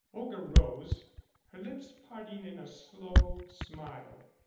Olga rose, her lips parting in a slow smile.